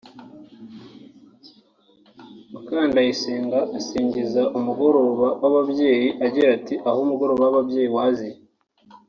Mukandayisenga asingiza umugoroba w’ababyeyi agira ati “Aho umugoroba w’ababyeyi waziye